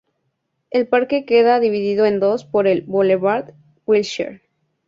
El parque queda dividido en dos por el Bulevar Wilshire.